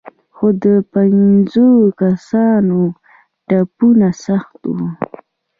خو د پېنځو کسانو ټپونه سخت وو.